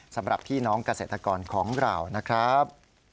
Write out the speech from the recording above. สำหรับพี่น้องเกษตรกรของเรานะครับ